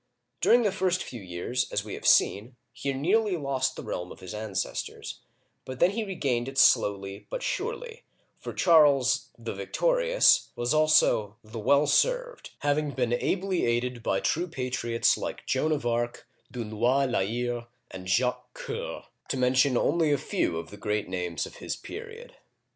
During the first few years, as we have seen, he nearly lost the realm of his ancestors, but then he regained it slowly but surely, for Charles " the Victorious " was also "the Well served," having been ably aided by true patriots like Joan of Arc, Dunois (dli nwa') La Hire, and Jacques Coeur, to mention only a few of the great names of his period.